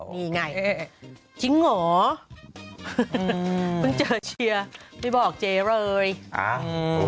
นี่ไงจริงเหรอพึ่งเจอเชียร์ไม่บอกเจ๊เลยอืม